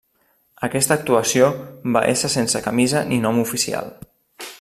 Aquesta actuació va ésser sense camisa ni nom oficial.